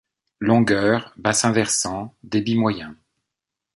Longueur, bassin versant, débit moyen.